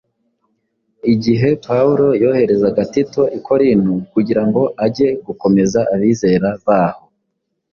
Igihe Pawulo yoherezaga Tito i Korinto kugira ngo ajye gukomeza abizera baho,